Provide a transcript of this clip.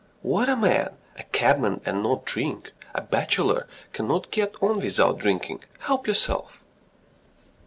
"What a man! ... A cabman and not drink! ... A bachelor can't get on without drinking. Help yourself!"